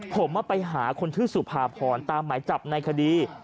ผมไปหาคนชื่อสุภาพรตามหมายจับในคดี